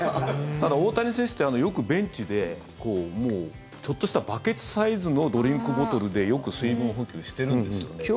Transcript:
ただ、大谷選手ってよくベンチでちょっとしたバケツサイズのドリンクボトルでよく水分補給してるんですよね。